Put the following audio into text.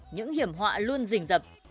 những hiểm họa luôn rình rập